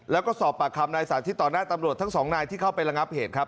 แล้วก็สอบปากคำนายสาธิตต่อหน้าตำรวจทั้งสองนายที่เข้าไประงับเหตุครับ